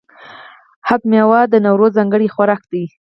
هفت میوه د نوروز ځانګړی خوراک دی.